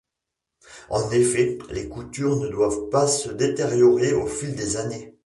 En effet, les coutures ne doivent pas se détériorer au fil des années.